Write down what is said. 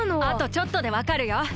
あとちょっとでわかるよ。